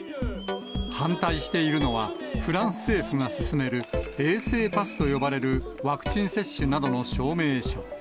反対しているのは、フランス政府が進める、衛生パスと呼ばれるワクチン接種などの証明書。